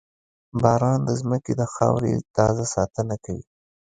• باران د زمکې د خاورې تازه ساتنه کوي.